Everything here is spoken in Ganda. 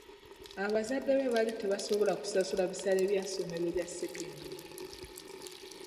Abazadde be baali tebasobola kusasula bisale bya ssomero lya sekendule.